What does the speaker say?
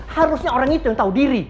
harusnya orang itu yang tahu diri